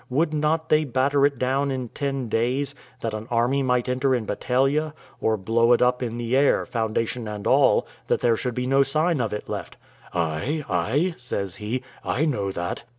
Would not they batter it down in ten days, that an army might enter in battalia; or blow it up in the air, foundation and all, that there should be no sign of it left?" "Ay, ay," says he, "I know that."